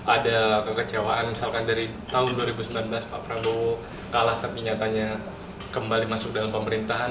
ada kekecewaan misalkan dari tahun dua ribu sembilan belas pak prabowo kalah tapi nyatanya kembali masuk dalam pemerintahan